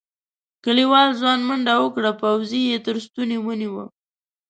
کليوال ځوان منډه وکړه پوځي یې تر ستوني ونيو.